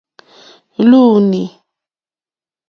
Lúúnî.